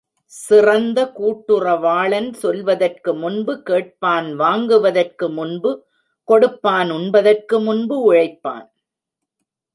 சிறந்த கூட்டுறவாளன் சொல்வதற்கு முன்பு கேட்பான் வாங்குவதற்கு முன்பு கொடுப்பான் உண்பதற்கு முன்பு உழைப்பான்.